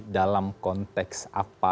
dalam konteks apa